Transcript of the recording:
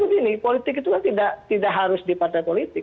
begini politik itu kan tidak harus di partai politik